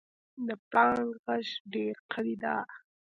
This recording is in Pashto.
د پړانګ غږ ډېر قوي دی.